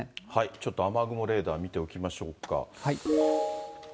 ちょっと雨雲レーダー見ておきましょうか。